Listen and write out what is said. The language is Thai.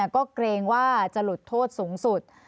ก็เกรงว่าจะหลุดโทษสูงสุด